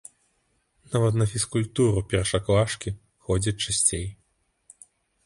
Нават на фізкультуру першаклашкі ходзяць часцей.